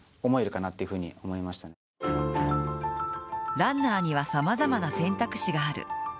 ランナーにはさまざまな選択肢がある。